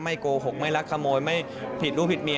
โกหกไม่รักขโมยไม่ผิดรู้ผิดเมีย